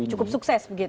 dan cukup sukses begitu